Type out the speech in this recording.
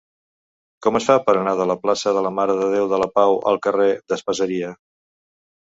Com es fa per anar de la plaça de la Mare de Déu de la Pau al carrer d'Espaseria?